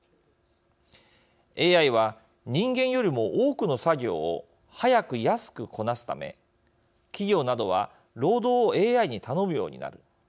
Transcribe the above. ＡＩは人間よりも多くの作業を早く、安くこなすため企業などは労働をＡＩに頼むようになる。